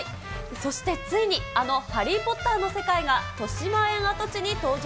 そしてついにあのハリー・ポッターの世界がとしまえん跡地に登場